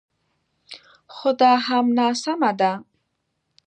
خو دا هم ناسمه ده